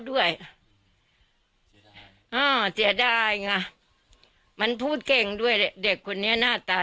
ด้วยอ้าวเสียด้ายง่ะมันพูดเก่งด้วยเด็กคนเนี้ยหน้าตา